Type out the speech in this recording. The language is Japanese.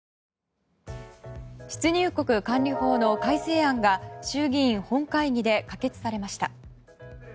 出入国管理法の改正案が衆議院本会議で可決されました。